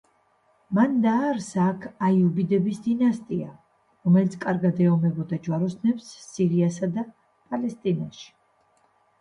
მან დააარსა აქ აიუბიდების დინასტია, რომელიც კარგად ეომებოდა ჯვაროსნებს სირიასა და პალესტინაში.